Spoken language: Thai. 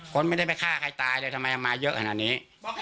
คนไม่ได้ไปฆ่าใครตายเลยทำไมมาเยอะขนาดนี้